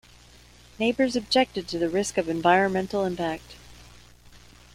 Neighbours objected to the risk of environmental impact.